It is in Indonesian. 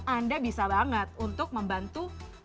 anda bisa banget untuk membantu mendonorkan darah